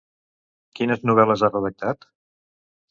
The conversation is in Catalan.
Quines novel·les ha redactat?